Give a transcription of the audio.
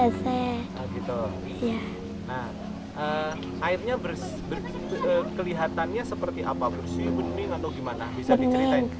nah airnya kelihatannya seperti apa bersih bening atau gimana bisa diceritain